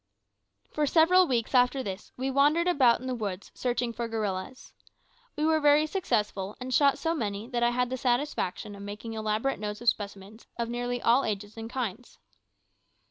For several weeks after this we wandered about in the woods searching for gorillas. We were very successful, and shot so many that I had the satisfaction of making elaborate notes of specimens of nearly all ages and kinds.